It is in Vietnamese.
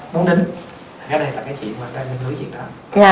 đó là cái chuyện người ta nên lưu ý